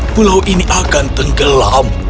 pulau ini akan tenggelam